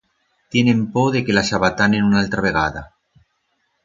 Tienen por de que las abatanen unaltra vegada.